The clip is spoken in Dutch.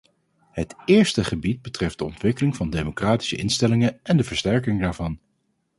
Het eerste gebied betreft de ontwikkeling van democratische instellingen en de versterking daarvan.